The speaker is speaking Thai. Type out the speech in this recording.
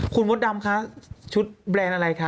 คุณมดดำคะชุดแบรนด์อะไรคะ